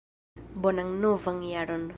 Bonan novan jaron!